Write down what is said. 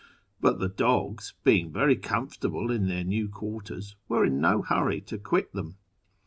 But the dogs, being very comfortable in their new quarters, were in no hurry to quit them.